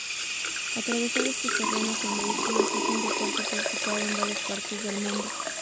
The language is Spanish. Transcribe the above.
Atravesar estos terrenos en vehículos es un deporte practicado en varias partes del mundo.